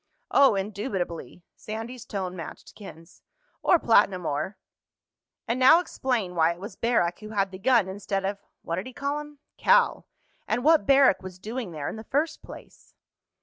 "Oh, indubitably." Sandy's tone matched Ken's. "Or platinum ore. And now explain why it was Barrack who had the gun, instead of—what did he call him?—Cal. And what Barrack was doing there in the first place."